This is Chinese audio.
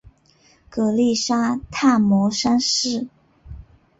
曷利沙跋摩三世。